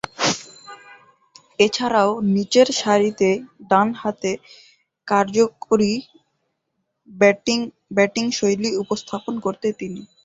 এছাড়াও, নিচেরসারিতে ডানহাতে কার্যকরী ব্যাটিংশৈলী উপস্থাপন করতেন তিনি।